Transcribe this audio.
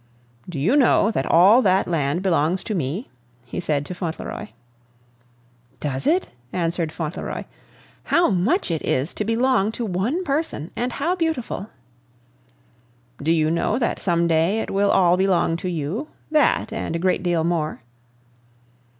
"Do you know that all that land belongs to me?" he said to Fauntleroy. "Does it?" answered Fauntleroy. "How much it is to belong to one person, and how beautiful!" "Do you know that some day it will all belong to you that and a great deal more?"